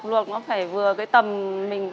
luộc nó phải biết cách luộc luộc nó phải biết cách luộc